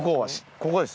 ここです。